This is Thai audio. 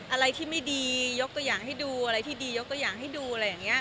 อะไรที่ไม่ดียกตัวอย่างให้ดูอะไรที่ดียกตัวอย่างให้ดูอะไรอย่างนี้